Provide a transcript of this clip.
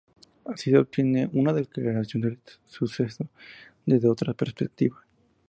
Así se obtiene una declaración del suceso desde otra perspectiva.